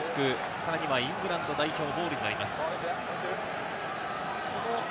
さらにはイングランド代表ボールになります。